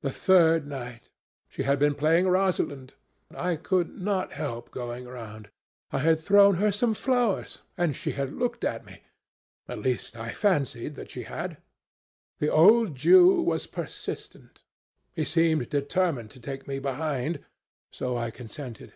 "The third night. She had been playing Rosalind. I could not help going round. I had thrown her some flowers, and she had looked at me—at least I fancied that she had. The old Jew was persistent. He seemed determined to take me behind, so I consented.